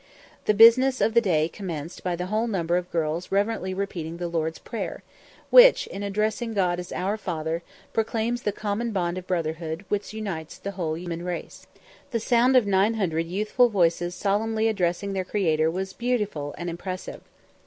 The business of the day commenced by the whole number of girls reverently repeating the Lord's Prayer, which, in addressing God as "Our Father," proclaims the common bond of brotherhood which unites the whole human race. The sound of 900 youthful voices solemnly addressing their Creator was very beautiful and impressive.